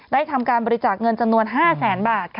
ทำการบริจาคเงินจำนวน๕แสนบาท